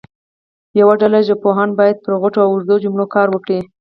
یوه ډله ژبپوهان باید پر غټو او اوږدو جملو کار وکړي.